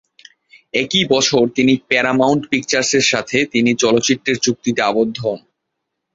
একই বছর তিনি প্যারামাউন্ট পিকচার্সের সাথে তিনি চলচ্চিত্রের চুক্তিতে আবদ্ধ হন।